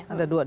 ada dua dprd